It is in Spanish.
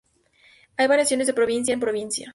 Hay variaciones de provincia a provincia.